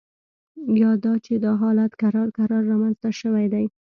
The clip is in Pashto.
یا دا چې دا حالت کرار کرار رامینځته شوی دی